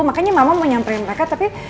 makanya mama mau nyamperin mereka tapi